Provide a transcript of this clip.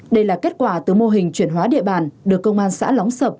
đây là kết quả từ mô hình chuyển hóa địa bàn được công an xã lóng sập